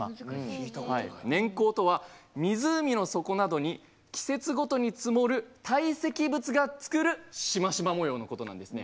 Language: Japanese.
年縞とは湖の底などに季節ごとに積もるたい積物が作るシマシマ模様のことなんですね。